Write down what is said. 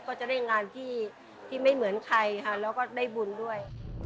ก็จะได้งานที่ไม่เหมือนใครค่ะแล้วก็ได้บุญด้วย